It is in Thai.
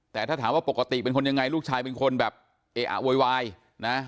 แต่ถ้าถามว่าปกติเป็นคนยังไงลูกชายเป็นคนแบบเออะโวยวายนะ